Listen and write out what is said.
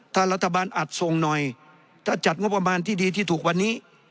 ถ้ารัฐบาลอัดส่งหน่อยถ้าจัดงบประมาณที่ดีที่ถูกวันนี้